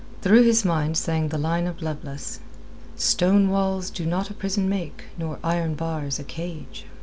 Through his mind sang the line of Lovelace: "Stone walls do not a prison make, Nor iron bars a cage."